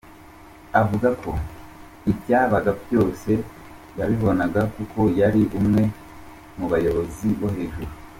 Avuga ko ibyabaga byose yabibonaga kuko yari umwe mu bayobozi bo hejuru.